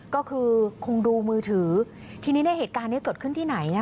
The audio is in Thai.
ก็คือคงดูมือถือทีนี้ในเหตุการณ์นี้เกิดขึ้นที่ไหน